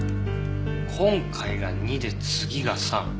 今回が２で次が３。